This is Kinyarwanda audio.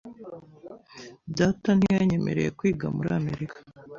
Data ntiyanyemereye kwiga muri Amerika.